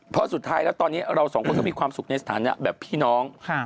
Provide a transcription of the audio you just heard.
เพราะสุดท้ายแล้วตอนนี้เราสองคนก็มีความสุขในสถานะแบบพี่น้อง